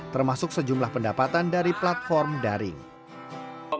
termasuk sejumlah pendapatan dari platform daring